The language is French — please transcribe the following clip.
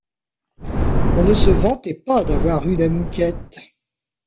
On ne se vantait pas d’avoir eu la Mouquette.